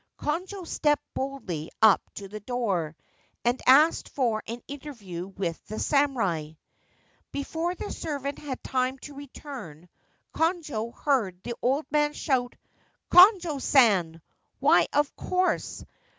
Konojo stepped boldly up to the door, and asked for an interview with the samurai. Before the servant had time to return, Konojo heard the old man shout, ' Konojo San ! Why, of course